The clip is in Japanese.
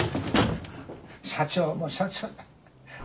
社長も社長や。